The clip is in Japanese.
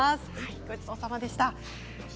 ごちそうさまでした。